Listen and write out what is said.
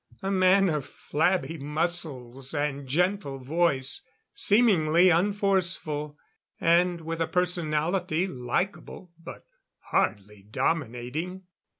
A man of flabby muscles and gentle voice; seemingly unforceful, and with a personality likable, but hardly dominating.